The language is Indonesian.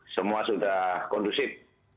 semua sudah kondusif